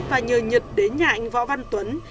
và nhờ nhật đến nhà anh võ văn tuấn